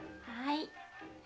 はい。